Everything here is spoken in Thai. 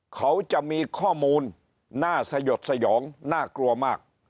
เขาจะมีข้อมูลน่าสยดสยองน่ากลัวมาก